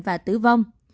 và tử vong